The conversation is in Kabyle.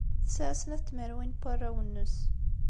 Tesɛa snat n tmerwin n warraw-nnes.